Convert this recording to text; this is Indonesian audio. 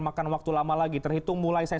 makan waktu lama lagi terhitung mulai saya